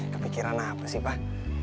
kepikiran apa sih pak